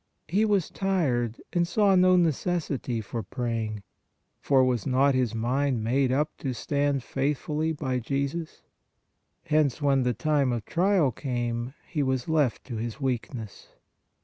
He was tired, and saw no necessity for praying, for was not his mind made up to stand faithfully by Jesus? Hence when the time of trial came, he was left to his weakness.